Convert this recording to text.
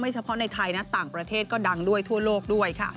เฉพาะในไทยนะต่างประเทศก็ดังด้วยทั่วโลกด้วยค่ะ